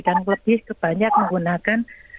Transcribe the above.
dan lebih kebanyakan menggunakan